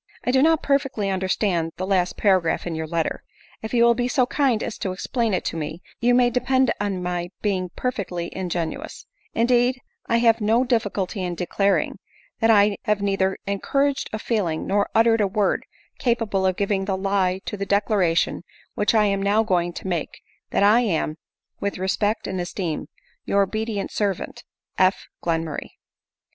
I do not perfectly understand the last par agraph in your letter. If you will be so kind as to ex plain it to me, you may depend on my being perfectly ingenuous ; indeed I have no difficulty in declaring; that I have neither encouraged a feeling, nor uttered a word, capable of giving the lie to the declaration which I am now going to make — That I am,' " With respect and esteem, " Your obedient servant, "F. Glenmurray."